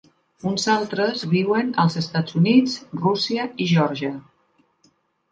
Uns altres viuen als Estats Units, Rússia i Geòrgia.